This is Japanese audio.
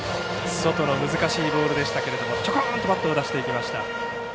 外への難しいボールでしたが、ちょこんとバットを出していきました。